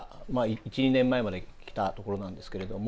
１２年前まで来たところなんですけれども。